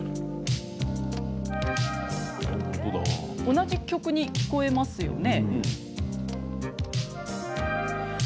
同じ曲に聴こえますよね？